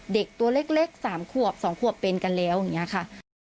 เด็กตัวเล็ก๓ขวบ๒ขวบเป็นกันแล้วอย่างนี้ค่ะ